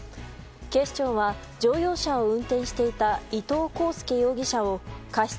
警視庁は乗用車を運転していた伊東航介容疑者を過失